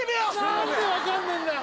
何で分かんねえんだよ！